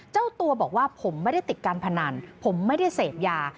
เจ้าตัวบอกว่าผมไม่ได้ติดการพนันผมไม่ได้เสพยา